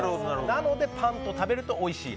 なのでパンと食べるとおいしい。